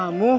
ini lah sih